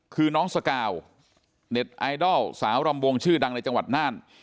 คือน้องสกาวเน็ตไอดอลสาวรำวงชื่อดังในจังหวัดน่าน